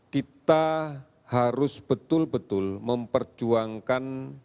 kita harus betul betul memperjuangkan